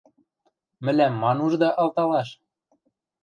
– Мӹлӓм ма нужда алталаш?